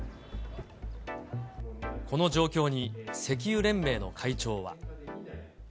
この状況に石油連盟の会長は。